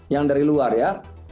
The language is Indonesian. yang dari luar ya